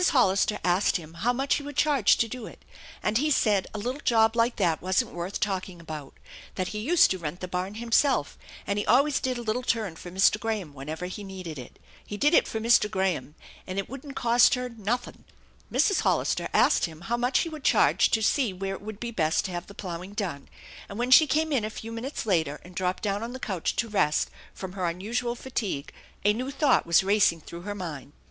Hollister asked him how much he would charge to do it, and he said a little job like that wasn't worth talking about; that he used to rent the barn himself, and he always did a little turn for Mr. Graham whenever he needed it. He did it for Mr. Graham, and it wouldn't cost her "nothin'." Mrs. Hollister asked him how much he would charge to see where it would be best to have the ploughing done, and when she came in a few minutes later and dropped down on the couch to rest from her unusual fatigue a new thought was racing through her mind.